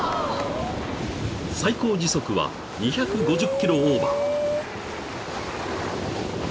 ［最高時速は２５０キロオーバー］